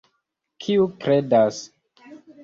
Kiu kredas?